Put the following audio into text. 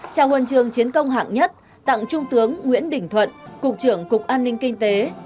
trao huân chương chiến công hạng nhất tặng trung tướng nguyễn đỉnh thuận cục trưởng cục an ninh kinh tế